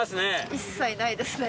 一切ないですね